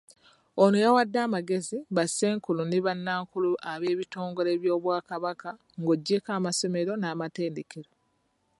Ono yawade amagezi, ba ssenkulu ne ba nnankulu ab'ebitongole by'Obwakabaka ng'ogyeko amasomero n'amatendekero.